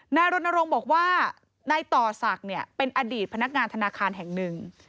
รณรงค์บอกว่านายต่อศักดิ์เป็นอดีตพนักงานธนาคารแห่งหนึ่ง